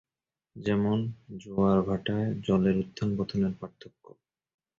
যেমন: জোয়ার-ভাটায় জলের উথান-পতনের পার্থক্য।